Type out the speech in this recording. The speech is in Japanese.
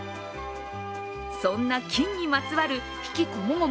そんな金にまつわる悲喜こもごも。